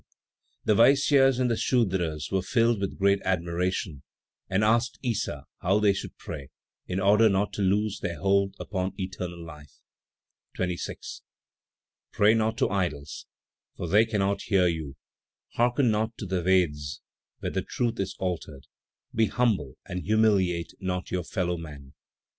The Vaisyas and the Sudras were filled with great admiration, and asked Issa how they should pray, in order not to lose their hold upon eternal life. 26. "Pray not to idols, for they cannot hear you; hearken not to the Vedas where the truth is altered; be humble and humiliate not your fellow man.